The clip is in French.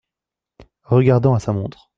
Regardant à sa montre.